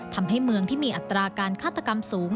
ทำให้เมืองที่มีอัตราการฆาตกรรมสูง